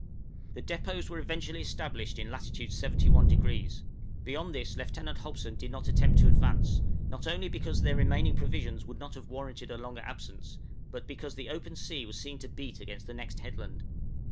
} The depôts were eventually established in latitude 71°; beyond this Lieutenant Hobson did not attempt to advance, not only because their remaining provisions would not have warranted a longer absence, but because the open sea was seen to beat against the next headland.